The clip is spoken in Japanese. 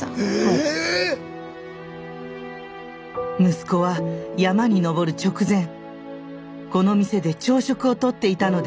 息子は山に登る直前この店で朝食をとっていたのです。